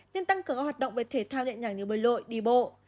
nên tăng cường các hoạt động về thể thao nhẹ nhàng như bơi lội đi bộ